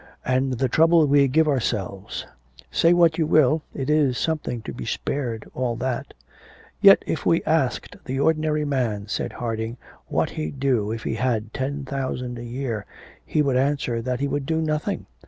And the trouble we give ourselves! Say what you will, it is something to be spared all that.' 'Yet if we asked the ordinary man,' said Harding, 'what he'd do if he had ten thousand a year, he would answer that he would do nothing.